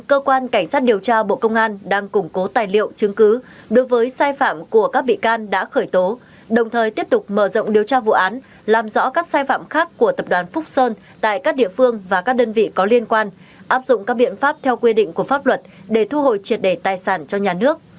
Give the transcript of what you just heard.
cơ quan cảnh sát điều tra bộ công an quyết định khởi tố bổ sung vụ án về các tội nhận hối lộ